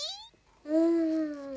うん。